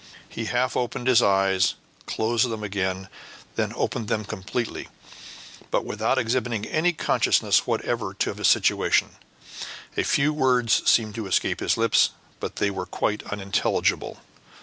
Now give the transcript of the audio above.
He half opened his eyes, closed them again, then opened them completely, but without exhibiting any consciousness whatever of his situation. A few words seemed to escape his lips, but they were quite unintelligible.